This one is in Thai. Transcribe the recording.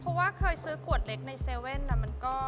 เพราะว่าเคยซื้อกรวดเล็กในเซเว่นมันก็